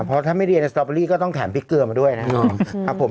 เพราะถ้าไม่เรียนในสตอเบอรี่ก็ต้องแถมพริกเกลือมาด้วยนะครับผม